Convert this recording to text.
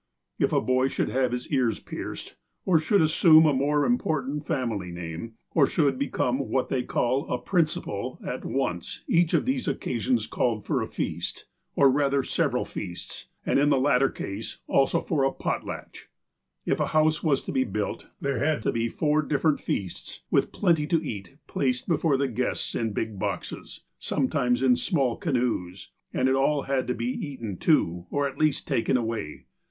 If a boy should have his ears pierced, or should assume a more important family name, or should become what they called a '' principal," at once each of these occasions called for a feast, or rather several feasts, and, in the lat ter case, also for a " potlatch." If a house was to be built, there had to be four differ ent feasts, with plenty to eat, placed before the guests in big boxes, sometimes in small canoes, and it all had to be eaten, too, or, at least, taken away.